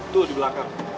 tuh di belakang